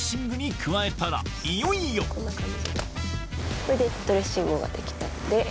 いよいよこれでドレッシングが出来たので。